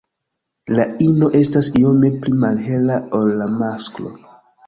La ino estas iome pli malhela ol la masklo.